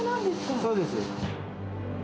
そうです。